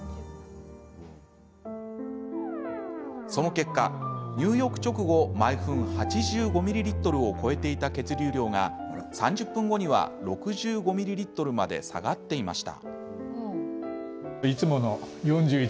その結果、入浴直後毎分８５ミリリットルを超えていた血流量が３０分後には６５ミリリットルまで下がっていました。